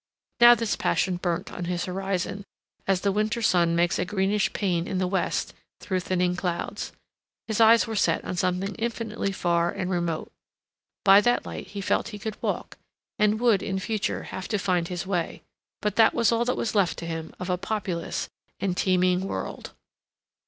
Now this passion burnt on his horizon, as the winter sun makes a greenish pane in the west through thinning clouds. His eyes were set on something infinitely far and remote; by that light he felt he could walk, and would, in future, have to find his way. But that was all there was left to him of a populous and teeming world.